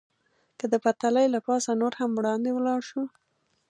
که د پټلۍ له پاسه نور هم وړاندې ولاړ شو.